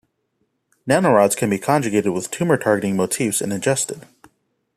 Nanorods can be conjugated with tumor targeting motifs and ingested.